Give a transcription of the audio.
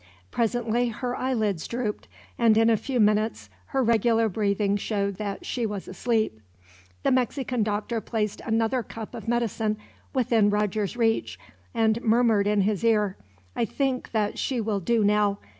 Presently her eyelids drooped, and in a few minutes her regular breathing showed that she was asleep. The Mexican doctor placed another cup of medicine within Roger's reach, and murmured in his ear, "I think that she will do now.